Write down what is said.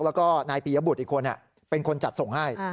แล้วก็นายปียบุตรอีกคนเป็นคนจัดส่งให้